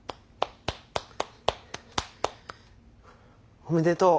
おめでとう！